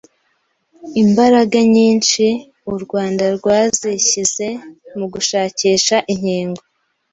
imbaraga nyinshi u Rwanda rwazishyize mu gushakisha inkingo